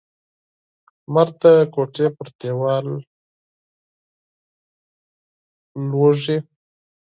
لمر د کوټې پر دیوال لوېږي.